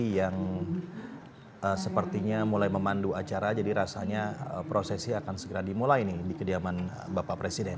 yang sepertinya mulai memandu acara jadi rasanya prosesi akan segera dimulai nih di kediaman bapak presiden